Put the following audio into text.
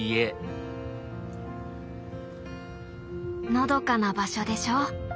のどかな場所でしょ？